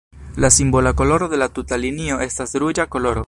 La simbola koloro de la tuta linio estas ruĝa koloro.